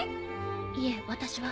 いえ私は。